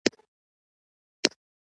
ژبه مې تالو پورې نښتې وه.